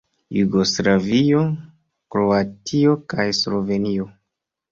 Jugoslavio, Kroatio kaj Slovenio.